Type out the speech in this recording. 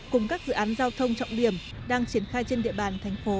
cùng các dự án giao thông trọng điểm đang triển khai trên địa bàn thành phố